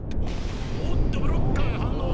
おっとブロッカーが反応。